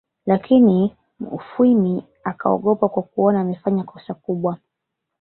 Lakini Mufwimi akaogopa kwa kuona amefanya kosa kubwa